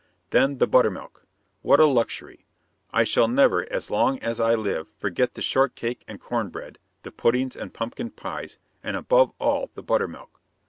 Then the buttermilk! What a luxury! I shall never, as long as I live, forget the shortcake and corn bread, the puddings and pumpkin pies, and above all the buttermilk.